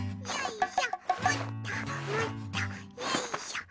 よいしょ！